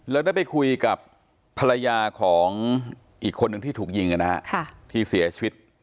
เราได้ไปคุยกับภรรยาของอีกคนนึงที่ถูกยิงนะฮะที่เสียชีวิต